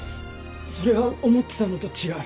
それは思ってたのと違う。